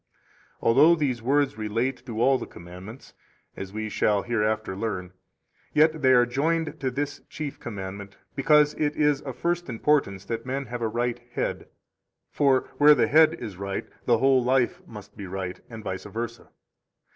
31 Although these words relate to all the commandments (as we shall hereafter learn), yet they are joined to this chief commandment because it is of first importance that men have a right head; for where the head is right, the whole life must be right, and vice versa.